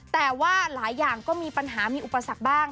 แต่ว่าหลายอย่างก็มีปัญหามีอุปสรรคบ้าง